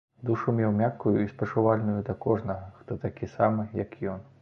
Душу меў мяккую і спачувальную да кожнага, хто такі самы, як ён.